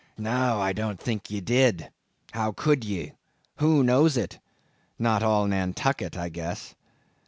No, I don't think ye did; how could ye? Who knows it? Not all Nantucket, I guess.